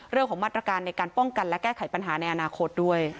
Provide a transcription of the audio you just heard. เรื่องของมาตรการในการป้องกันและแก้ไขปัญหาในอนาคตด้วย